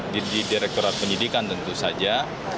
di direkturat penyidikan tentu saja